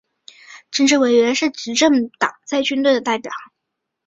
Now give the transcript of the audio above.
政治委员是执政党在军队的代表。